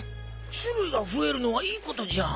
種類が増えるのはいいことじゃん。